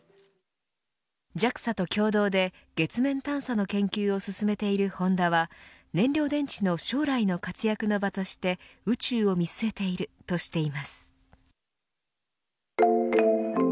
ＪＡＸＡと共同で月面探査の研究を進めているホンダは燃料電池の将来の活躍の場として宇宙を見据えているとしています。